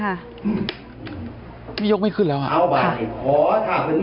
กฮยกไม่ขึ้นแล้วท์